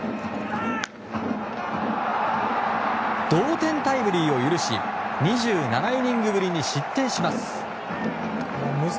同点タイムリーを許し２７イニングぶりに失点します。